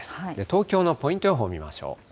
東京のポイント予報、見ましょう。